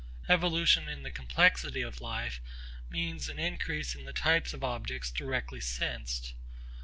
Evolution in the complexity of life means an increase in the types of objects directly sensed.